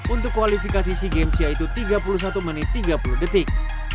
untuk kualifikasi sea games yaitu tiga puluh satu menit tiga puluh detik